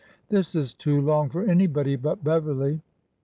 '' This is too long for anybody but Beverly.